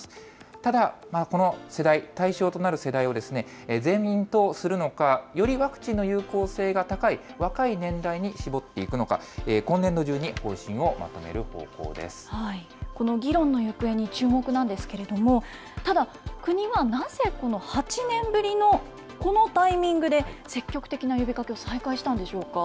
ただ、この世代、対象となる世代をですね、全員とするのか、よりワクチンの有効性が高い若い年代に絞っていくのか、今年度中この議論の行方に注目なんですけれども、ただ、国はなぜ、この８年ぶりのこのタイミングで、積極的な呼びかけを再開したんでしょうか。